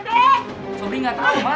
beneran sobri gak tau